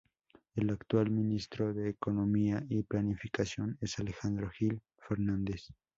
El actual ministro de Economía y Planificación es Alejandro Gil Fernández.